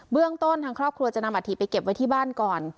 เรื่องต้นทางครอบครัวจะนำอาทิตไปเก็บไว้ที่บ้านก่อน